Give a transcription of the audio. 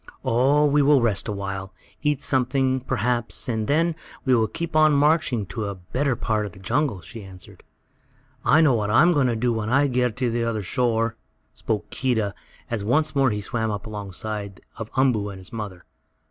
"Oh, we will rest a while, eat something, perhaps, and then we will keep on marching to a better part of the jungle," she answered. "I know what I'm going to do when I get on the other shore," spoke Keedah, as once more he swam up along side of Umboo and his mother.